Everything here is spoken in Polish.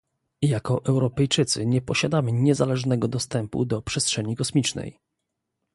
Jako Europejczycy nie posiadamy niezależnego dostępu do przestrzeni kosmicznej